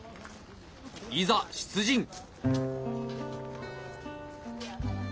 いざ出陣！